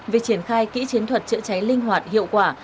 việc triển khai kỹ chiến thuật chữa cháy linh hoạt hiệu quả